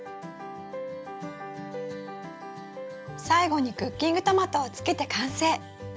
最後にクッキングトマトをつけて完成。